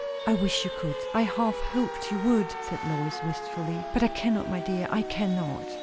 "I wish you could. I half hoped you would," said Lois wistfully. "But I cannot, my dear. I cannot."